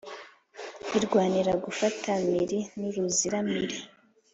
Irwanira gufata mpiri nuru ziramire